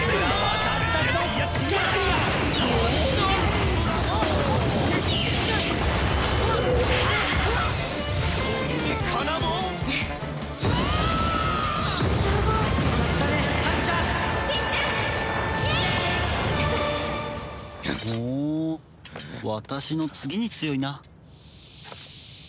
私の次に強いな。